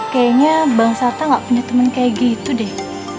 kayanya bang sarta ga punya temen kaya gitu deh